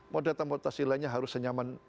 mau datang mau tak silahnya harus senyaman